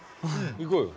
行こうよ。